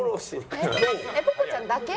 ぽぽちゃんだけ？